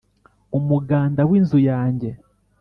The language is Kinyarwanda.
Umuganda w'inzu yanjye